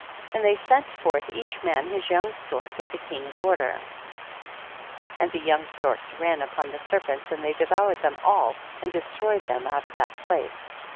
23. And they sent forth each man his young stork at the king's order, and the young storks ran upon the serpents and they devoured them all and destroyed them out of that place.